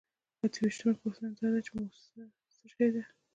اته ویشتمه پوښتنه دا ده چې موسسه څه شی ده.